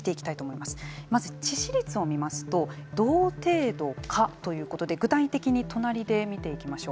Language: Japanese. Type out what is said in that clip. まず致死率を見ますと同程度かということで具体的に隣で見ていきましょう。